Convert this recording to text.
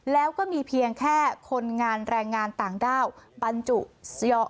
แล้วก็มีเพียงแค่คนงานแรงงานต่างด้าวบรรจุ